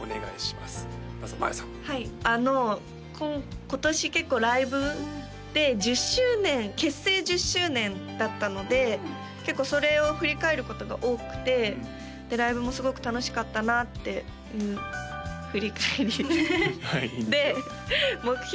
まずまあやさんはい今年結構ライブで１０周年結成１０周年だったので結構それを振り返ることが多くてでライブもすごく楽しかったなっていう振り返りで目標